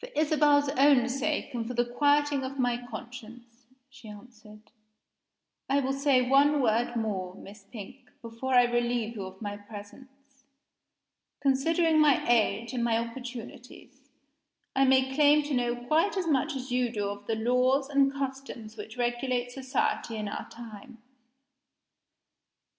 "For Isabel's own sake, and for the quieting of my conscience," she answered, "I will say one word more, Miss Pink, before I relieve you of my presence. Considering my age and my opportunities, I may claim to know quite as much as you do of the laws and customs which regulate society in our time.